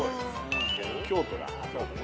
・京都だ。